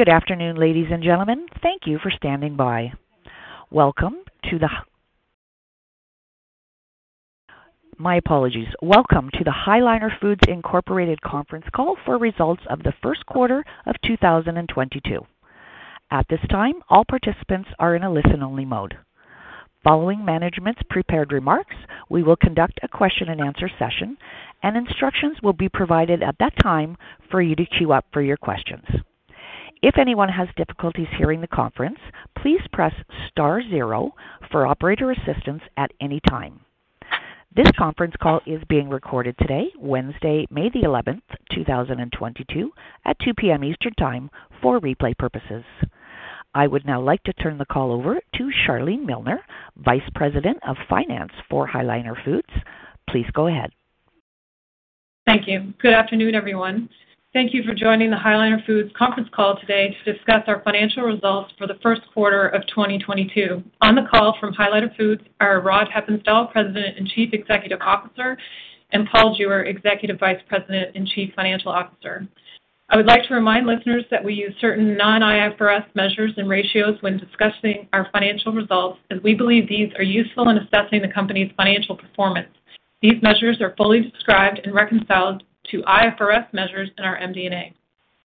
Good afternoon, ladies and gentlemen. Thank you for standing by. Welcome to the call High Liner Foods Incorporated conference call for results of the first quarter of 2022. At this time, all participants are in a listen-only mode. Following management's prepared remarks, we will conduct a question-and-answer session, and instructions will be provided at that time for you to queue up for your questions. If anyone has difficulties hearing the conference, please press star zero for operator assistance at any time. This conference call is being recorded today, Wednesday, May 11, 2022 at 2:00 P.M. Eastern Time for replay purposes. I would now like to turn the call over to Charlene Milner, Vice President of Finance for High Liner Foods. Please go ahead. Thank you. Good afternoon, everyone. Thank you for joining the High Liner Foods conference call today to discuss our financial results for the first quarter of 2022. On the call from High Liner Foods are Rod Hepponstall, President and Chief Executive Officer, and Paul Jewer, Executive Vice President and Chief Financial Officer. I would like to remind listeners that we use certain non-IFRS measures and ratios when discussing our financial results as we believe these are useful in assessing the company's financial performance. These measures are fully described and reconciled to IFRS measures in our MD&A.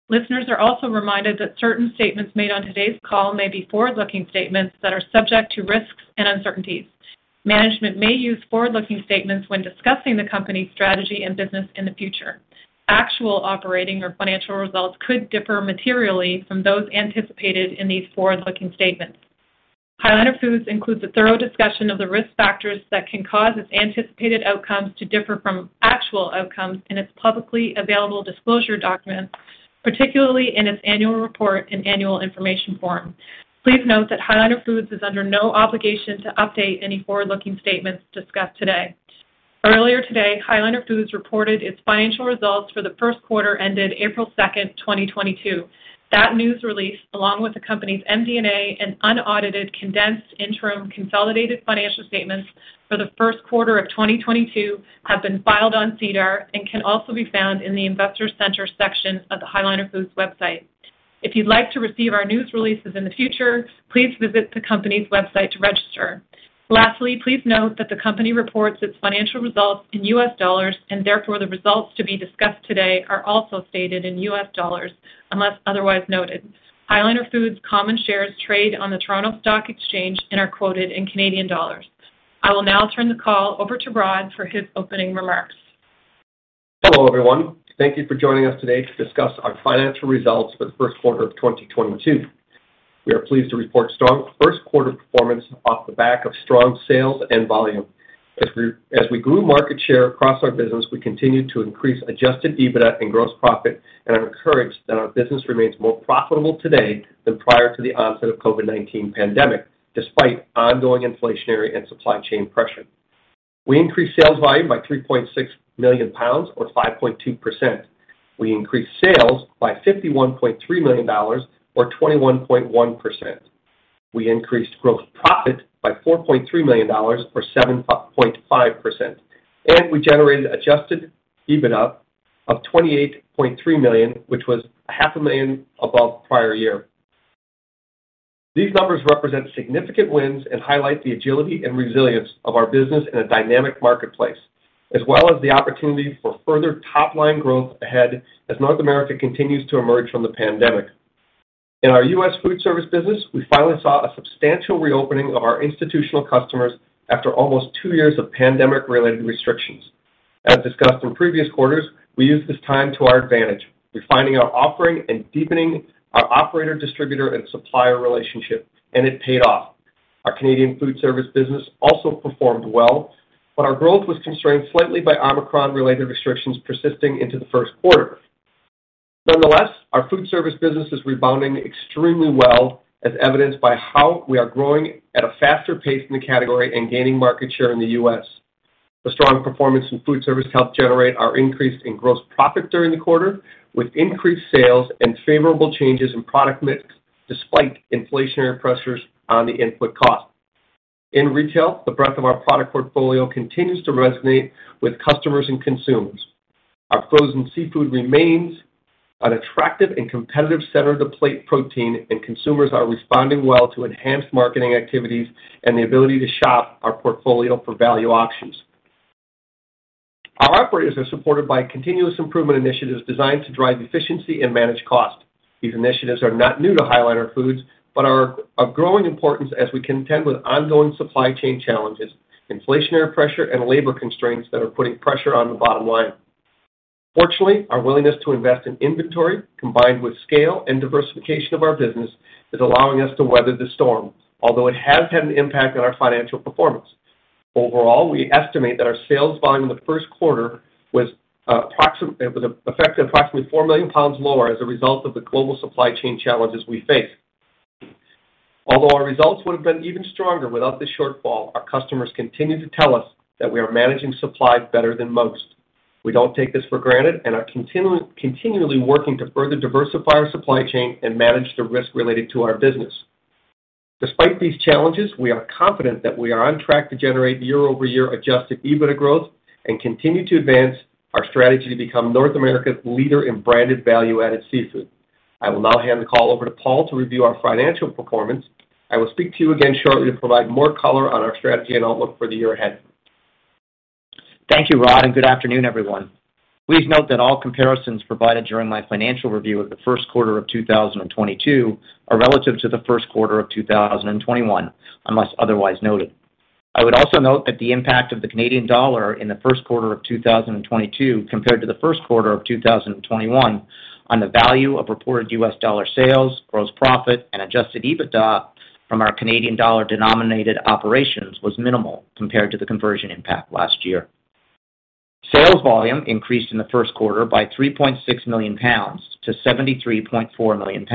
Listeners are also reminded that certain statements made on today's call may be forward-looking statements that are subject to risks and uncertainties. Management may use forward-looking statements when discussing the company's strategy and business in the future. Actual operating or financial results could differ materially from those anticipated in these forward-looking statements. High Liner Foods includes a thorough discussion of the risk factors that can cause its anticipated outcomes to differ from actual outcomes in its publicly available disclosure documents, particularly in its annual report and annual information form. Please note that High Liner Foods is under no obligation to update any forward-looking statements discussed today. Earlier today, High Liner Foods reported its financial results for the first quarter ended April 2nd, 2022. That news release, along with the company's MD&A and unaudited condensed interim consolidated financial statements for the first quarter of 2022 have been filed on SEDAR and can also be found in the Investor Center section of the High Liner Foods website. If you'd like to receive our news releases in the future, please visit the company's website to register. Lastly, please note that the company reports its financial results in U.S. dollars, and therefore, the results to be discussed today are also stated in U.S. dollars, unless otherwise noted. High Liner Foods common shares trade on the Toronto Stock Exchange and are quoted in Canadian dollars. I will now turn the call over to Rod for his opening remarks. Hello, everyone. Thank you for joining us today to discuss our financial results for the first quarter of 2022. We are pleased to report strong first quarter performance off the back of strong sales and volume. As we grew market share across our business, we continued to increase adjusted EBITDA and gross profit and are encouraged that our business remains more profitable today than prior to the onset of COVID-19 pandemic, despite ongoing inflationary and supply chain pressure. We increased sales volume by $3.6 million or 5.2%. We increased sales by $51.3 million or 21.1%. We increased gross profit by $4.3 million or 7.5%, and we generated adjusted EBITDA of $28.3 million, which was half a million above prior year. These numbers represent significant wins and highlight the agility and resilience of our business in a dynamic marketplace, as well as the opportunity for further top-line growth ahead as North America continues to emerge from the pandemic. In our U.S. food service business, we finally saw a substantial reopening of our institutional customers after almost two years of pandemic-related restrictions. As discussed in previous quarters, we used this time to our advantage, refining our offering and deepening our operator, distributor, and supplier relationship, and it paid off. Our Canadian food service business also performed well, but our growth was constrained slightly by Omicron-related restrictions persisting into the first quarter. Nonetheless, our food service business is rebounding extremely well, as evidenced by how we are growing at a faster pace in the category and gaining market share in the U.S. The strong performance in food service helped generate our increase in gross profit during the quarter with increased sales and favorable changes in product mix despite inflationary pressures on the input cost. In retail, the breadth of our product portfolio continues to resonate with customers and consumers. Our frozen seafood remains an attractive and competitive center-to-plate protein, and consumers are responding well to enhanced marketing activities and the ability to shop our portfolio for value options. Our operators are supported by continuous improvement initiatives designed to drive efficiency and manage cost. These initiatives are not new to High Liner Foods but are of growing importance as we contend with ongoing supply chain challenges, inflationary pressure, and labor constraints that are putting pressure on the bottom line. Fortunately, our willingness to invest in inventory combined with scale and diversification of our business is allowing us to weather the storm, although it has had an impact on our financial performance. Overall, we estimate that our sales volume in the first quarter was approximately $4 million lower as a result of the global supply chain challenges we face. Although our results would have been even stronger without this shortfall, our customers continue to tell us that we are managing supply better than most. We don't take this for granted and are continually working to further diversify our supply chain and manage the risk related to our business. Despite these challenges, we are confident that we are on track to generate year-over-year adjusted EBITDA growth and continue to advance our strategy to become North America's leader in branded value-added seafood. I will now hand the call over to Paul to review our financial performance. I will speak to you again shortly to provide more color on our strategy and outlook for the year ahead. Thank you, Rod, and good afternoon, everyone. Please note that all comparisons provided during my financial review of the first quarter of 2022 are relative to the first quarter of 2021, unless otherwise noted. I would also note that the impact of the Canadian dollar in the first quarter of 2022 compared to the first quarter of 2021 on the value of reported U.S. dollar sales, gross profit, and adjusted EBITDA from our Canadian dollar-denominated operations was minimal compared to the conversion impact last year. Sales volume increased in the first quarter by $3.6 million to $73.4 million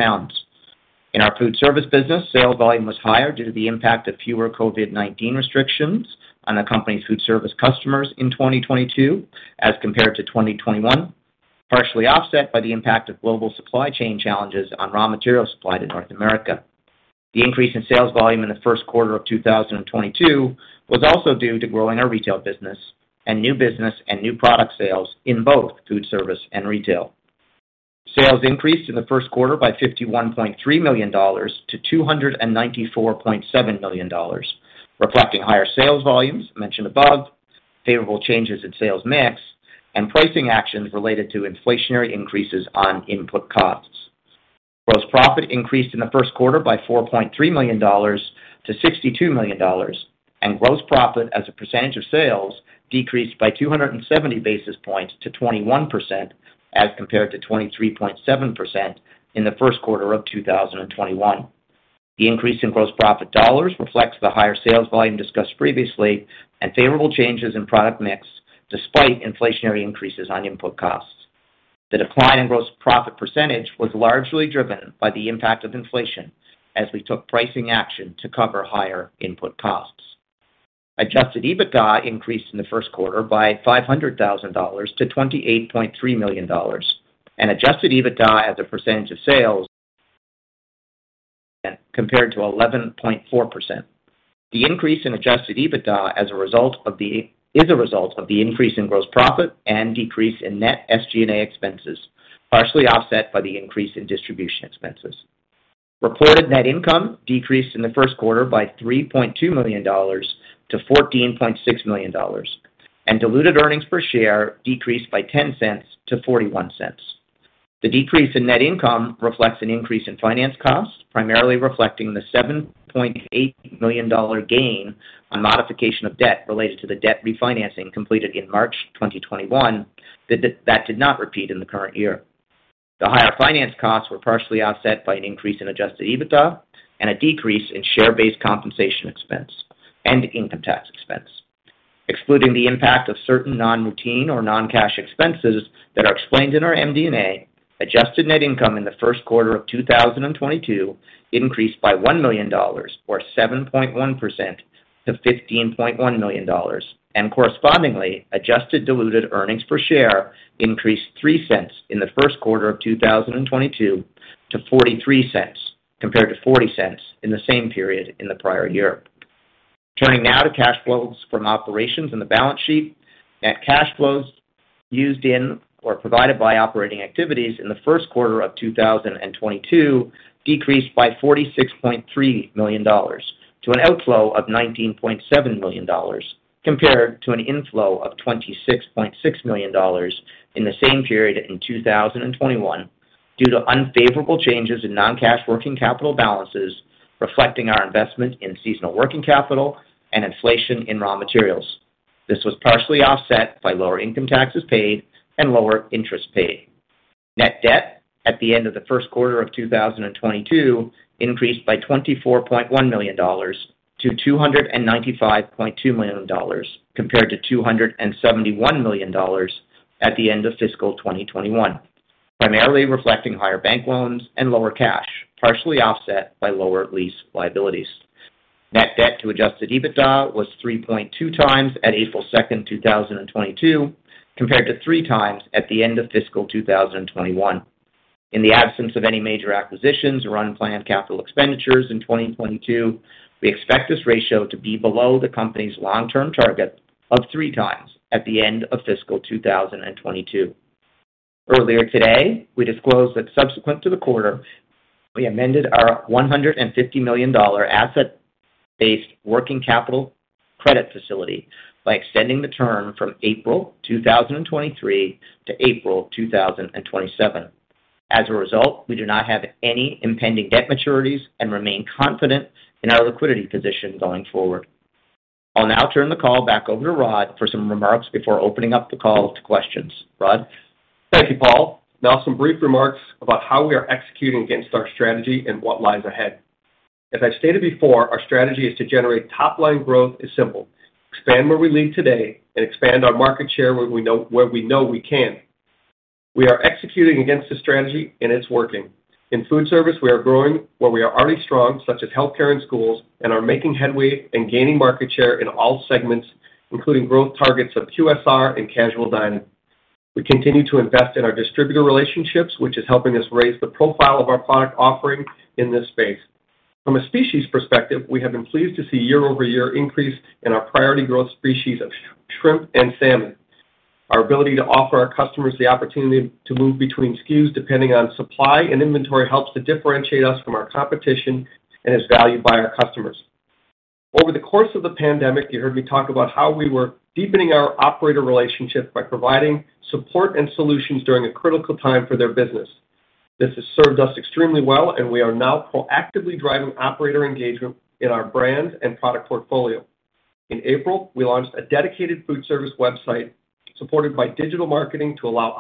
In our food service business, sales volume was higher due to the impact of fewer COVID-19 restrictions on the company's food service customers in 2022 as compared to 2021, partially offset by the impact of global supply chain challenges on raw material supply to North America. The increase in sales volume in the first quarter of 2022 was also due to growing our retail business and new business and new product sales in both food service and retail. Sales increased in the first quarter by 51.3 million dollars to 294.7 million dollars, reflecting higher sales volumes mentioned above, favorable changes in sales mix, and pricing actions related to inflationary increases on input costs. Gross profit increased in the first quarter by $4.3 million to $62 million, and gross profit as a percentage of sales decreased by 270 basis points to 21% as compared to 23.7% in the first quarter of 2021. The increase in gross profit dollars reflects the higher sales volume discussed previously and favorable changes in product mix despite inflationary increases on input costs. The decline in gross profit percentage was largely driven by the impact of inflation as we took pricing action to cover higher input costs. Adjusted EBITDA increased in the first quarter by $0.5 million to $28.3 million, and adjusted EBITDA as a percentage of sales compared to 11.4%. The increase in adjusted EBITDA is a result of the increase in gross profit and decrease in net SG&A expenses, partially offset by the increase in distribution expenses. Reported net income decreased in the first quarter by $3.2 million to $14.6 million, and diluted earnings per share decreased by $0.10 to $0.41. The decrease in net income reflects an increase in finance costs, primarily reflecting the $7.8 million gain on modification of debt related to the debt refinancing completed in March 2021 that did not repeat in the current year. The higher finance costs were partially offset by an increase in adjusted EBITDA and a decrease in share-based compensation expense and income tax expense. Excluding the impact of certain non-routine or non-cash expenses that are explained in our MD&A, adjusted net income in the first quarter of 2022 increased by $1 million or 7.1% to $15.1 million. Correspondingly, adjusted diluted earnings per share increased $0.03 in the first quarter of 2022 to $0.43 compared to $0.40 in the same period in the prior year. Turning now to cash flows from operations and the balance sheet. Net cash flows used in or provided by operating activities in the first quarter of 2022 decreased by $46.3 million to an outflow of $19.7 million compared to an inflow of $26.6 million in the same period in 2021 due to unfavorable changes in non-cash working capital balances, reflecting our investment in seasonal working capital and inflation in raw materials. This was partially offset by lower income taxes paid and lower interest paid. Net debt at the end of the first quarter of 2022 increased by $24.1 million to $295.2 million compared to $271 million at the end of fiscal 2021, primarily reflecting higher bank loans and lower cash, partially offset by lower lease liabilities. Net debt to adjusted EBITDA was 3.2x at April 2, 2022 compared to 3x at the end of fiscal 2021. In the absence of any major acquisitions or unplanned capital expenditures in 2022, we expect this ratio to be below the company's long-term target of 3x at the end of fiscal 2022. Earlier today, we disclosed that subsequent to the quarter, we amended our $150 million asset-based working capital credit facility by extending the term from April 2023 to April 2027. As a result, we do not have any impending debt maturities and remain confident in our liquidity position going forward. I'll now turn the call back over to Rod for some remarks before opening up the call to questions. Rod? Thank you, Paul. Now some brief remarks about how we are executing against our strategy and what lies ahead. As I stated before, our strategy is to generate top-line growth. It's simple, expand where we lead today and expand our market share where we know we can. We are executing against this strategy and it's working. In food service, we are growing where we are already strong, such as healthcare and schools, and are making headway and gaining market share in all segments, including growth targets of QSR and casual dining. We continue to invest in our distributor relationships, which is helping us raise the profile of our product offering in this space. From a species perspective, we have been pleased to see year-over-year increase in our priority growth species of shrimp and salmon. Our ability to offer our customers the opportunity to move between SKUs depending on supply and inventory helps to differentiate us from our competition and is valued by our customers. Over the course of the pandemic, you heard me talk about how we were deepening our operator relationships by providing support and solutions during a critical time for their business. This has served us extremely well, and we are now proactively driving operator engagement in our brands and product portfolio. In April, we launched a dedicated food service website supported by digital marketing to allow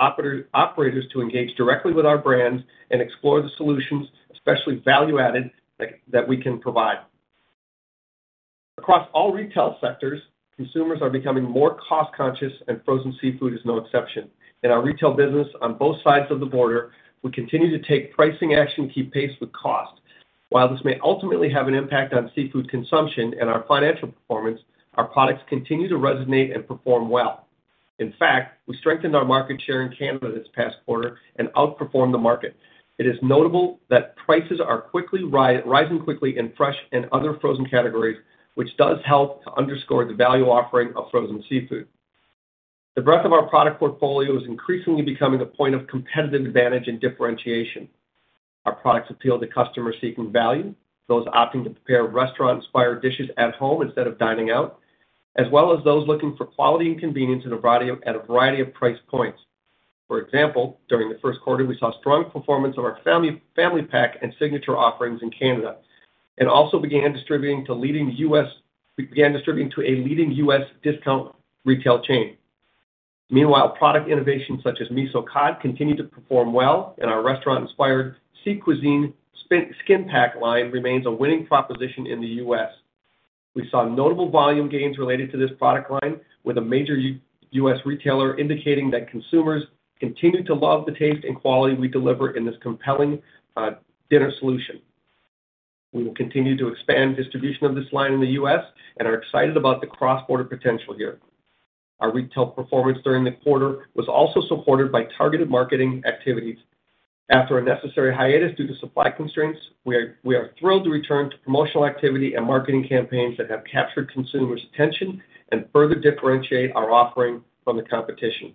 operators to engage directly with our brands and explore the solutions, especially value added, that we can provide. Across all retail sectors, consumers are becoming more cost-conscious and frozen seafood is no exception. In our retail business on both sides of the border, we continue to take pricing action to keep pace with cost. While this may ultimately have an impact on seafood consumption and our financial performance, our products continue to resonate and perform well. In fact, we strengthened our market share in Canada this past quarter and outperformed the market. It is notable that prices are quickly rising quickly in fresh and other frozen categories, which does help to underscore the value offering of frozen seafood. The breadth of our product portfolio is increasingly becoming a point of competitive advantage and differentiation. Our products appeal to customers seeking value, those opting to prepare restaurant-inspired dishes at home instead of dining out, as well as those looking for quality and convenience at a variety of price points. For example, during the first quarter, we saw strong performance of our family pack and signature offerings in Canada, and also began distributing to a leading U.S. discount retail chain. Meanwhile, product innovations such as miso cod continued to perform well, and our restaurant-inspired Sea Cuisine skin pack line remains a winning proposition in the U.S.. We saw notable volume gains related to this product line with a major U.S. retailer indicating that consumers continue to love the taste and quality we deliver in this compelling dinner solution. We will continue to expand distribution of this line in the U.S. and are excited about the cross-border potential here. Our retail performance during the quarter was also supported by targeted marketing activities. After a necessary hiatus due to supply constraints, we are thrilled to return to promotional activity and marketing campaigns that have captured consumers' attention and further differentiate our offering from the competition.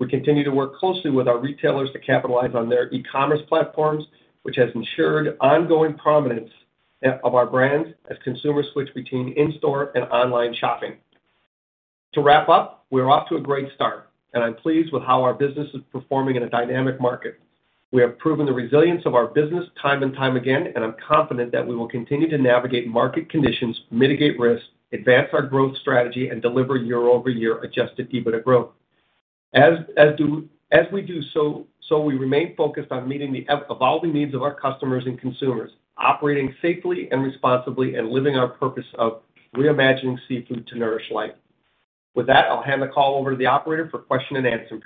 We continue to work closely with our retailers to capitalize on their e-commerce platforms, which has ensured ongoing prominence of our brands as consumers switch between in-store and online shopping. To wrap up, we're off to a great start, and I'm pleased with how our business is performing in a dynamic market. We have proven the resilience of our business time and time again, and I'm confident that we will continue to navigate market conditions, mitigate risks, advance our growth strategy, and deliver year-over-year adjusted EBITDA growth. As we do so, we remain focused on meeting the evolving needs of our customers and consumers, operating safely and responsibly, and living our purpose of reimagining seafood to nourish life. With that, I'll hand the call over to the operator for question and answer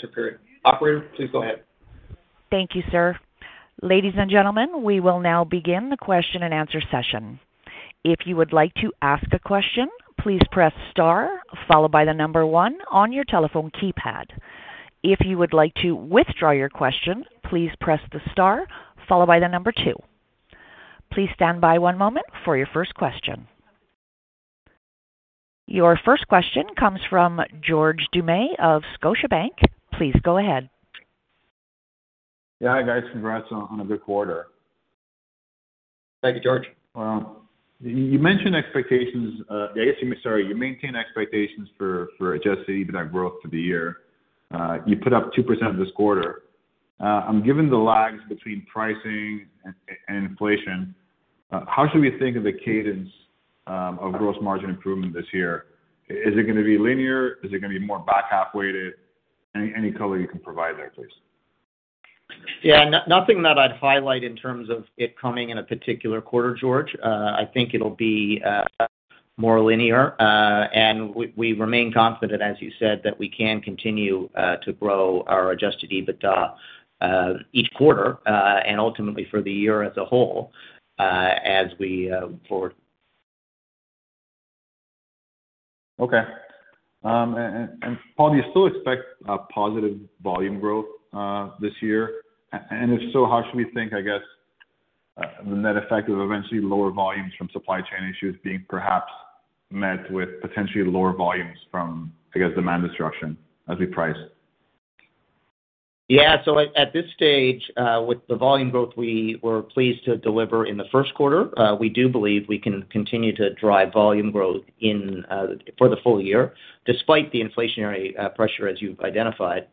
period. Operator, please go ahead. Thank you, sir. Ladies and gentlemen, we will now begin the question-and-answer session. If you would like to ask a question, please press star followed by the number one on your telephone keypad. If you would like to withdraw your question, please press the star followed by the number two. Please stand by one moment for your first question. Your first question comes from George Doumet of Scotiabank. Please go ahead. Yeah. Hi, guys. Congrats on a good quarter. Thank you, George. You mentioned expectations, you maintain expectations for adjusted EBITDA growth for the year. You put up 2% this quarter. Given the lags between pricing and inflation, how should we think of the cadence of gross margin improvement this year? Is it gonna be linear? Is it gonna be more back-half weighted? Any color you can provide there, please. Yeah. Nothing that I'd highlight in terms of it coming in a particular quarter, George. I think it'll be more linear. We remain confident, as you said, that we can continue to grow our adjusted EBITDA each quarter and ultimately for the year as a whole. Okay. Paul, do you still expect a positive volume growth this year? If so, how should we think, I guess, the net effect of eventually lower volumes from supply chain issues being perhaps met with potentially lower volumes from, I guess, demand destruction as we price? Yeah. At this stage, with the volume growth we were pleased to deliver in the first quarter, we do believe we can continue to drive volume growth in for the full year, despite the inflationary pressure, as you've identified.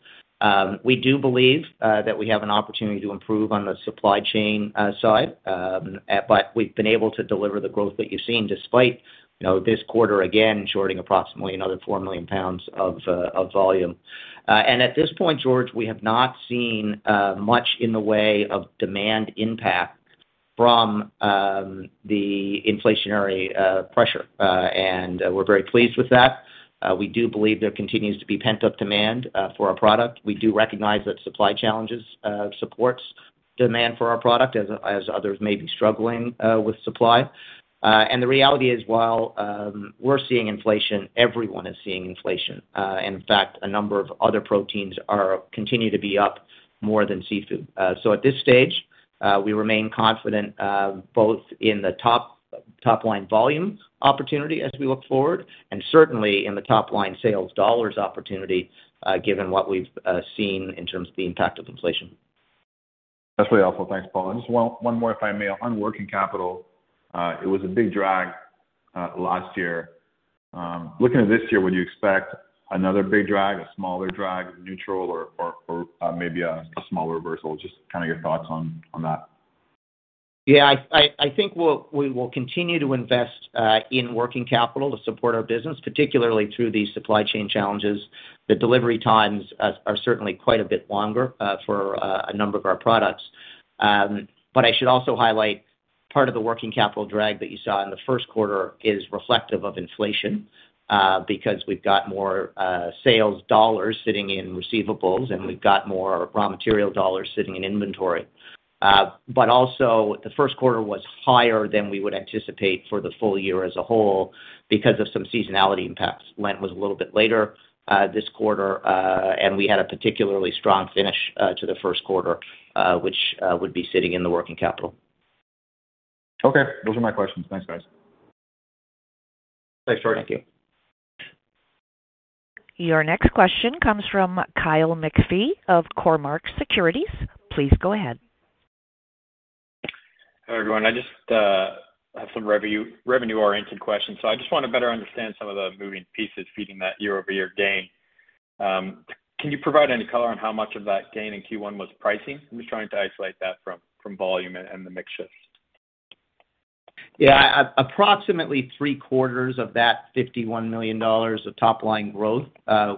We do believe that we have an opportunity to improve on the supply chain side. But we've been able to deliver the growth that you've seen, despite, you know, this quarter, again, shorting approximately another $4 million of volume. At this point, George, we have not seen much in the way of demand impact from the inflationary pressure, and we're very pleased with that. We do believe there continues to be pent-up demand for our product. We do recognize that supply challenges supports Demand for our product as others may be struggling with supply. The reality is, while we're seeing inflation, everyone is seeing inflation. In fact, a number of other proteins continue to be up more than seafood. At this stage, we remain confident both in the top line volume opportunity as we look forward, and certainly in the top line sales dollars opportunity, given what we've seen in terms of the impact of inflation. That's really helpful. Thanks, Paul. Just one more, if I may. On working capital, it was a big drag last year. Looking at this year, would you expect another big drag, a smaller drag, neutral or maybe a small reversal? Just kind of your thoughts on that. Yeah, I think we will continue to invest in working capital to support our business, particularly through these supply chain challenges. The delivery times are certainly quite a bit longer for a number of our products. I should also highlight part of the working capital drag that you saw in the first quarter is reflective of inflation, because we've got more sales dollars sitting in receivables, and we've got more raw material dollars sitting in inventory. The first quarter was higher than we would anticipate for the full year as a whole because of some seasonality impacts. Lent was a little bit later this quarter, and we had a particularly strong finish to the first quarter, which would be sitting in the working capital. Okay. Those are my questions. Thanks, guys. Thanks, George. Thank you. Your next question comes from Kyle McPhee of Cormark Securities. Please go ahead. Hi, everyone. I just have some revenue-oriented questions. I just wanna better understand some of the moving pieces feeding that year-over-year gain. Can you provide any color on how much of that gain in Q1 was pricing? I'm just trying to isolate that from volume and the mix shift. Approximately three-quarters of that $51 million of top line growth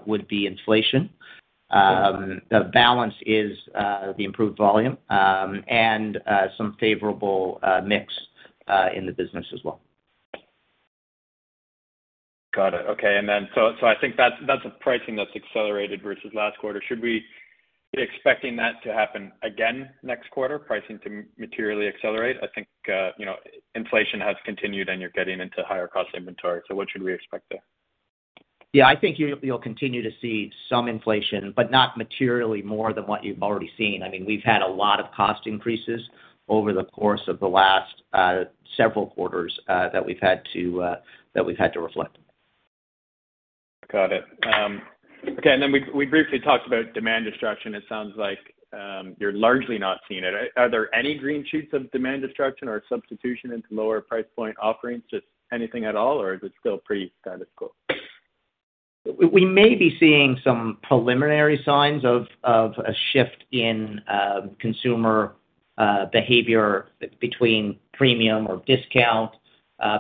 would be inflation. The balance is the improved volume and some favorable mix in the business as well. Got it. Okay. I think that's a pricing that's accelerated versus last quarter. Should we be expecting that to happen again next quarter, pricing to materially accelerate? I think, you know, inflation has continued, and you're getting into higher cost inventory. What should we expect there? Yeah. I think you'll continue to see some inflation, but not materially more than what you've already seen. I mean, we've had a lot of cost increases over the course of the last several quarters that we've had to reflect. Got it. Okay. We briefly talked about demand destruction. It sounds like, you're largely not seeing it. Are there any green shoots of demand destruction or substitution into lower price point offerings? Just anything at all, or is it still pretty status quo? We may be seeing some preliminary signs of a shift in consumer behavior between premium or discount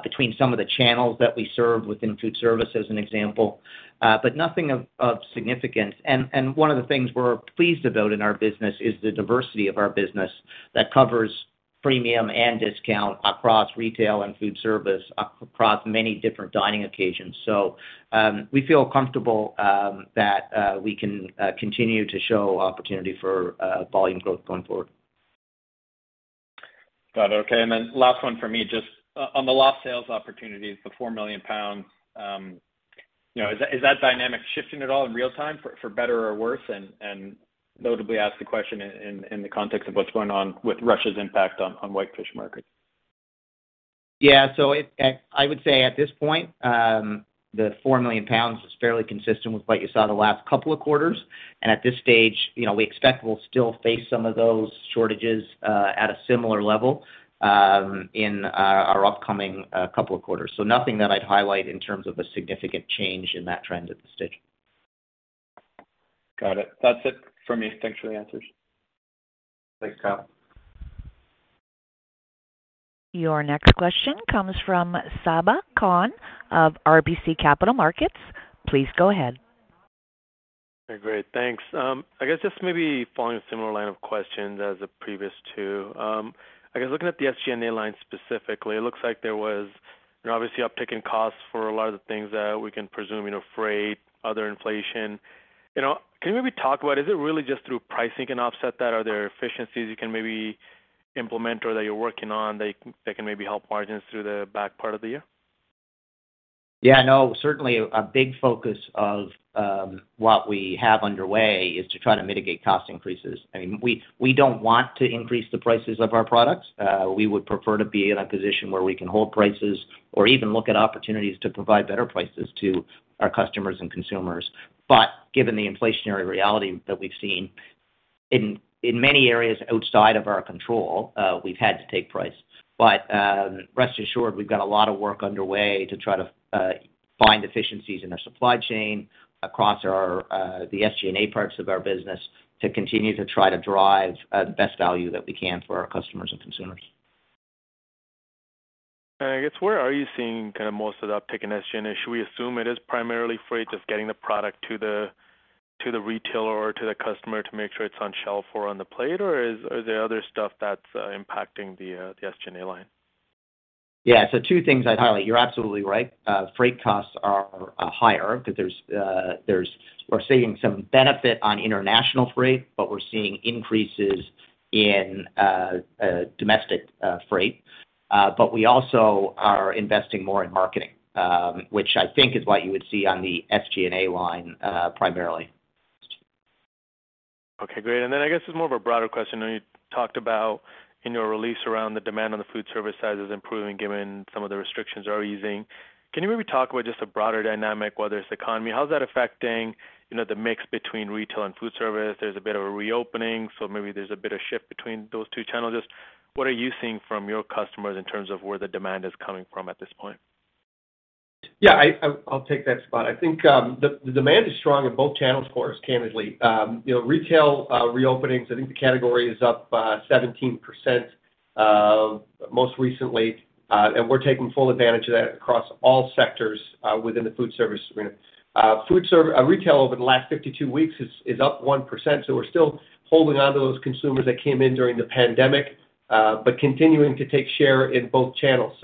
between some of the channels that we serve within food service, as an example, but nothing of significance. One of the things we're pleased about in our business is the diversity of our business that covers premium and discount across retail and food service, across many different dining occasions. We feel comfortable that we can continue to show opportunity for volume growth going forward. Got it. Okay. Last one for me, just on the lost sales opportunities, the $3.6 million to $73.4 million, you know, is that dynamic shifting at all in real time for better or worse? Notably ask the question in the context of what's going on with Russia's impact on whitefish markets. I would say at this point, the $4 million is fairly consistent with what you saw the last couple of quarters. At this stage, you know, we expect we'll still face some of those shortages at a similar level in our upcoming couple of quarters. Nothing that I'd highlight in terms of a significant change in that trend at this stage. Got it. That's it for me. Thanks for the answers. Thanks, Kyle. Your next question comes from Sabahat Khan of RBC Capital Markets. Please go ahead. Great. Thanks. I guess just maybe following a similar line of questions as the previous two. I guess looking at the SG&A line specifically, it looks like there was, you know, obviously uptick in costs for a lot of the things that we can presume, you know, freight, other inflation. You know, can you maybe talk about is it really just through pricing can offset that? Are there efficiencies you can maybe implement or that you're working on that can maybe help margins through the back part of the year? Yeah, no, certainly a big focus of what we have underway is to try to mitigate cost increases. I mean, we don't want to increase the prices of our products. We would prefer to be in a position where we can hold prices or even look at opportunities to provide better prices to our customers and consumers. Given the inflationary reality that we've seen in many areas outside of our control, we've had to take price. Rest assured, we've got a lot of work underway to try to find efficiencies in our supply chain across our, the SG&A parts of our business to continue to try to drive the best value that we can for our customers and consumers. I guess, where are you seeing kind of most of the uptick in SG&A? Should we assume it is primarily freight, just getting the product to the retailer or to the customer to make sure it's on shelf or on the plate, or are there other stuff that's impacting the SG&A line? Yeah. Two things I'd highlight. You're absolutely right. Freight costs are higher because we're seeing some benefit on international freight, but we're seeing increases in domestic freight. We also are investing more in marketing, which I think is what you would see on the SG&A line, primarily. Okay, great. I guess it's more of a broader question. I know you talked about in your release around the demand on the food service side is improving given some of the restrictions are easing. Can you maybe talk about just the broader dynamic, whether it's the economy, how is that affecting, you know, the mix between retail and food service? There's a bit of a reopening, so maybe there's a bit of shift between those two channels. Just what are you seeing from your customers in terms of where the demand is coming from at this point? Yeah, I'll take that, Sabahat. I think the demand is strong in both channels for us, candidly. You know, retail reopenings, I think the category is up 17% most recently, and we're taking full advantage of that across all sectors within the food service arena. Retail over the last 52 weeks is up 1%, so we're still holding onto those consumers that came in during the pandemic, but continuing to take share in both channels.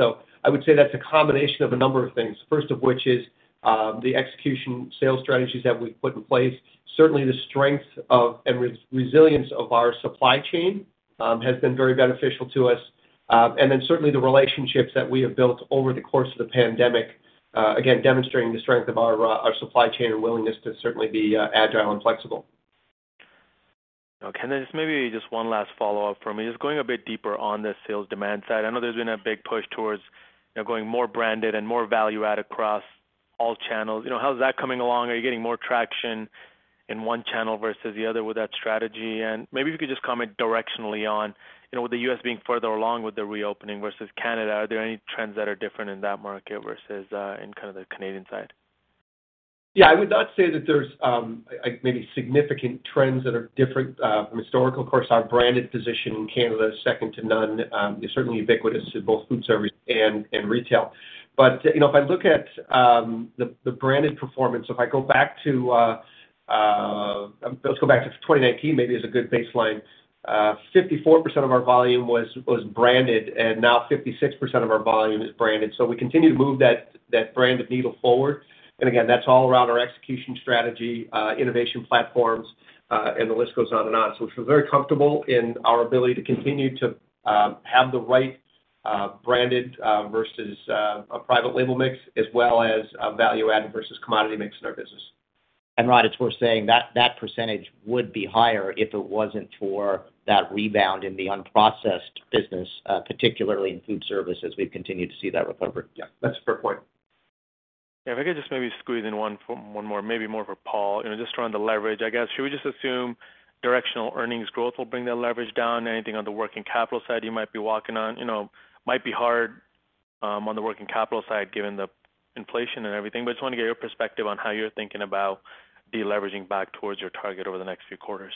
I would say that's a combination of a number of things, first of which is the execution sales strategies that we've put in place. Certainly, the strength and resilience of our supply chain has been very beneficial to us. Certainly the relationships that we have built over the course of the pandemic, again, demonstrating the strength of our supply chain and willingness to certainly be agile and flexible. Okay. Then maybe just one last follow-up for me, just going a bit deeper on the sales demand side. I know there's been a big push towards, you know, going more branded and more value add across all channels. You know, how is that coming along? Are you getting more traction in one channel versus the other with that strategy? And maybe if you could just comment directionally on, you know, with the U.S. being further along with the reopening versus Canada, are there any trends that are different in that market versus in kind of the Canadian side? Yeah, I would not say that there's maybe significant trends that are different from historical. Of course, our branded position in Canada is second to none, is certainly ubiquitous to both food service and retail. You know, if I look at the branded performance, if I go back to 2019 maybe is a good baseline, 54% of our volume was branded, and now 56% of our volume is branded. We continue to move that branded needle forward. Again, that's all around our execution strategy, innovation platforms, and the list goes on and on. We feel very comfortable in our ability to continue to have the right branded versus a private label mix, as well as a value add versus commodity mix in our business. Rod, it's worth saying that that percentage would be higher if it wasn't for that rebound in the unprocessed business, particularly in food service, as we've continued to see that recovery. Yeah, that's a fair point. Yeah. If I could just maybe squeeze in one more, maybe more for Paul, you know, just around the leverage, I guess. Should we just assume directional earnings growth will bring that leverage down? Anything on the working capital side you might be working on? You know, might be hard on the working capital side given the inflation and everything. Just want to get your perspective on how you're thinking about deleveraging back towards your target over the next few quarters.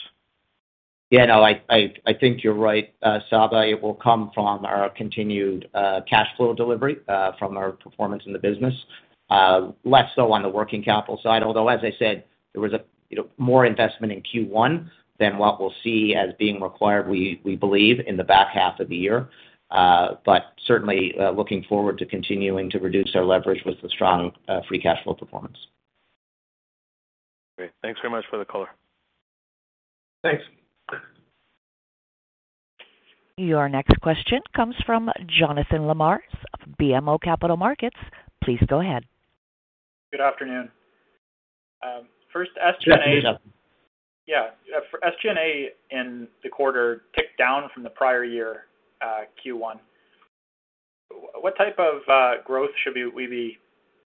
Yeah. No, I think you're right, Sabahat. It will come from our continued cash flow delivery from our performance in the business. Less so on the working capital side, although, as I said, there was, you know, more investment in Q1 than what we'll see as being required, we believe in the back half of the year. Certainly, looking forward to continuing to reduce our leverage with the strong free cash flow performance. Great. Thanks very much for the color. Thanks. Your next question comes from Jonathan Lamers of BMO Capital Markets. Please go ahead. Good afternoon. First SG&A. Yeah. Yeah. For SG&A in the quarter ticked down from the prior year, Q1. What type of growth should we be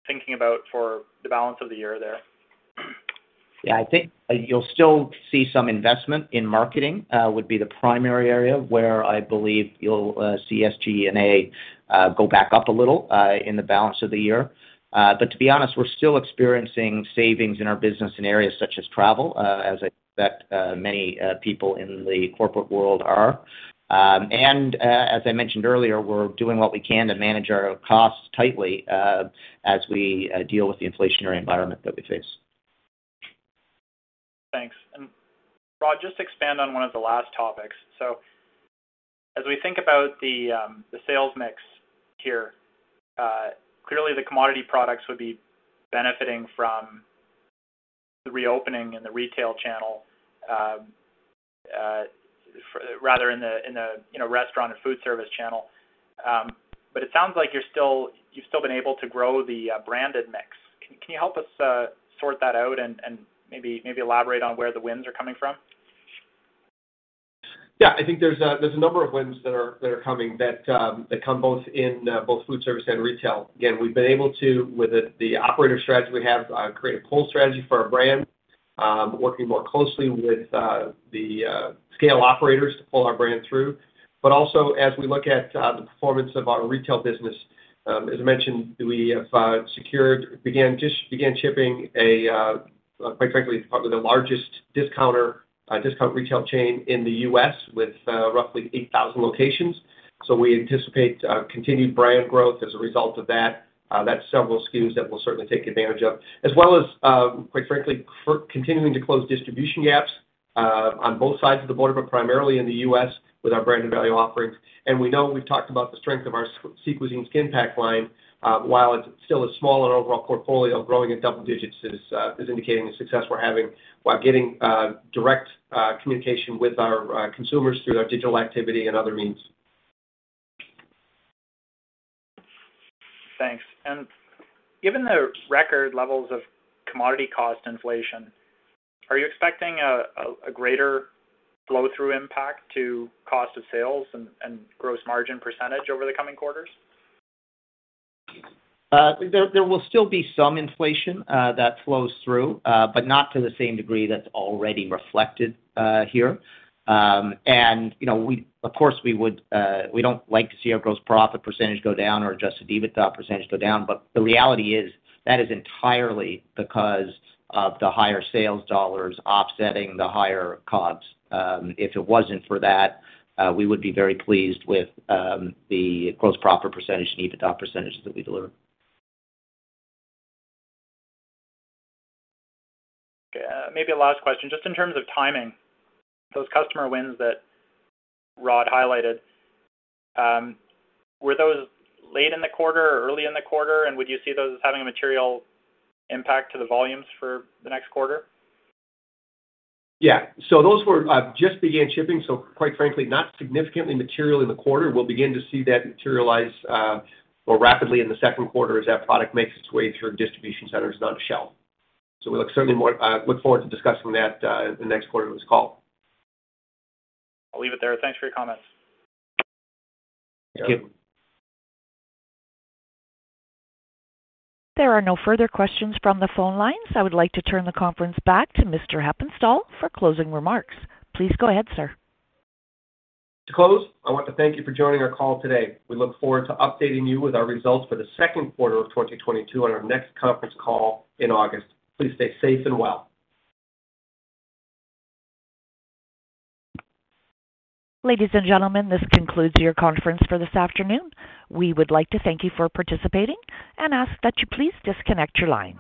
thinking about for the balance of the year there? Yeah, I think you'll still see some investment in marketing would be the primary area where I believe you'll see SG&A go back up a little in the balance of the year. To be honest, we're still experiencing savings in our business in areas such as travel as I expect many people in the corporate world are. As I mentioned earlier, we're doing what we can to manage our costs tightly as we deal with the inflationary environment that we face. Thanks. Rod, just expand on one of the last topics. As we think about the sales mix here, clearly the commodity products would be benefiting from the reopening in the retail channel, rather in the you know, restaurant and food service channel. It sounds like you've still been able to grow the branded mix. Can you help us sort that out and maybe elaborate on where the wins are coming from? Yeah. I think there's a number of wins that come both in food service and retail. Again, we've been able to, with the operator strategy we have, create a pull strategy for our brand, working more closely with the scale operators to pull our brand through. Also, as we look at the performance of our retail business, as I mentioned, we have just began shipping. Quite frankly, it's probably the largest discount retail chain in the U.S. with roughly 8,000 locations. We anticipate continued brand growth as a result of that. That's several SKUs that we'll certainly take advantage of. As well as, quite frankly, for continuing to close distribution gaps on both sides of the border, but primarily in the U.S. with our branded value offerings. We know we've talked about the strength of our Sea Cuisine skin pack line while it's still a small and overall portfolio, growing at double digits is indicating the success we're having while getting direct communication with our consumers through our digital activity and other means. Thanks. Given the record levels of commodity cost inflation, are you expecting a greater flow-through impact to cost of sales and gross margin percentage over the coming quarters? There will still be some inflation that flows through, but not to the same degree that's already reflected here. You know, of course, we don't like to see our gross profit percentage go down or adjusted EBITDA percentage go down, but the reality is that is entirely because of the higher sales dollars offsetting the higher COGS. If it wasn't for that, we would be very pleased with the gross profit percentage and EBITDA percentages that we deliver. Yeah. Maybe a last question. Just in terms of timing, those customer wins that Rod highlighted, were those late in the quarter or early in the quarter, and would you see those as having a material impact to the volumes for the next quarter? Yeah. Those were just began shipping, so quite frankly, not significantly material in the quarter. We'll begin to see that materialize more rapidly in the second quarter as that product makes its way through our distribution centers and onto shelf. We look forward to discussing that the next quarter of this call. I'll leave it there. Thanks for your comments. Thank you. There are no further questions from the phone lines. I would like to turn the conference back to Mr. Hepponstall for closing remarks. Please go ahead, sir. To close, I want to thank you for joining our call today. We look forward to updating you with our results for the second quarter of 2022 on our next conference call in August. Please stay safe and well. Ladies and gentlemen, this concludes your conference for this afternoon. We would like to thank you for participating and ask that you please disconnect your lines.